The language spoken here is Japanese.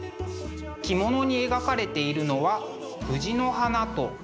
着物に描かれているのは藤の花と蜘蛛の糸。